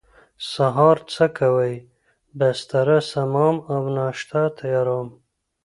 سهار څه کوئ؟ بستره سموم او ناشته تیاروم